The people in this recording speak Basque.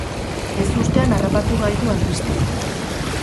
Ezustean harrapatu gaitu albisteak.